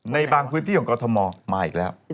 ในบางพื้นที่ของกรทมมาอีกแล้ว